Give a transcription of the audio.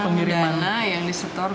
pengiriman yang disetor